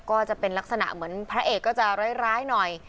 ก็จะเป็นลักษณะเหมือนพระเอกก็จะร้ายหน่อย